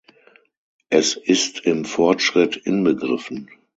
Es ist im Fortschritt inbegriffen.